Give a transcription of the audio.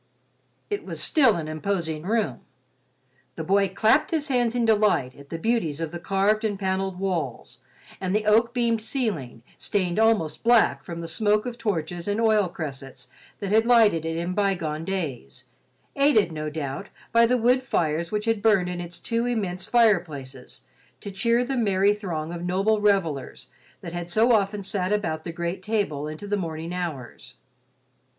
It was still an imposing room. The boy clapped his hands in delight at the beauties of the carved and panelled walls and the oak beamed ceiling, stained almost black from the smoke of torches and oil cressets that had lighted it in bygone days, aided, no doubt, by the wood fires which had burned in its two immense fireplaces to cheer the merry throng of noble revellers that had so often sat about the great table into the morning hours.